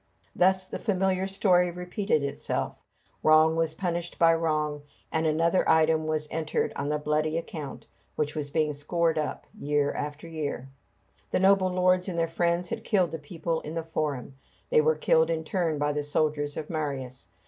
Thus the familiar story repeated itself: wrong was punished by wrong, and another item was entered on the bloody account which was being scored up year after year. The noble lords and their friends had killed the people in the Forum. They were killed in turn by the soldiers of Marius.